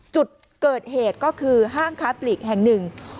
จุดเกิดเหตุก็คือห้างค้าปลีกแห่งหนึ่ง